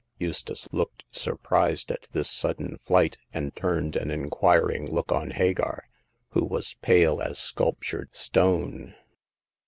Eustace looked surprised at this sudden flight, and turned an inquiring look on Hagar, who was pale as sculptured stone.